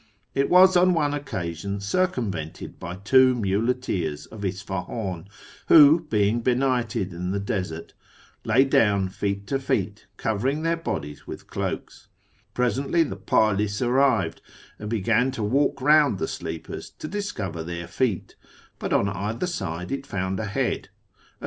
It was on one ccasion circumvented by two muleteers of Isfahi'in, who, being enighted in the desert, lay down feet to feet, covering their odies with cloaks. Presently the pd lis arrived, and began ) walk round the sleepers to discover their feet, but on either i66 A YEAR AMOA'GST THE PERSIANS sule it found a head. \\.